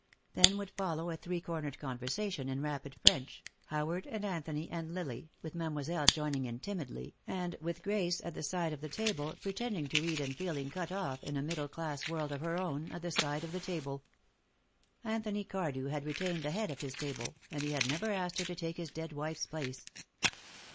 Then would follow a three cornered conversation in rapid French, Howard and Anthony and Lily, with Mademoiselle joining in timidly, and with Grace, at the side of the table, pretending to eat and feeling cut off, in a middle class world of her own, at the side of the table. Anthony Cardew had retained the head of his table, and he had never asked her to take his dead wife's place.